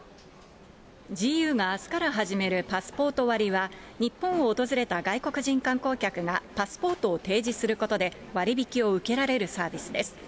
ＧＵがあすから始める、パスポート割は、日本を訪れた外国人観光客がパスポートを提示することで、割引を受けられるサービスです。